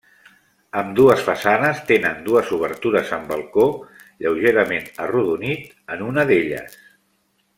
Ambdues façanes tenen dues obertures amb balcó, lleugerament arrodonit en una d'elles.